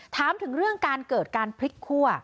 ถามถึงเรื่องการเกิดการพลิกคั่ว